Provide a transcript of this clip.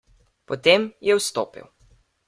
Potem je vstopil.